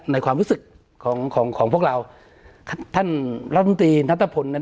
ในความรู้สึกของของของพวกเราค่ะท่านรัฐมนตรีนัตรภลเนี่ย